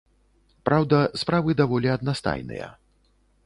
Праўда, справы даволі аднастайныя.